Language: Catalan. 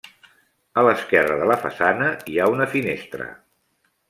A l'esquerra de la façana hi ha una finestra.